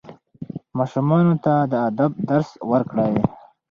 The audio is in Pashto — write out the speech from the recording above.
ماشومانو ته د ادب درس ورکړئ.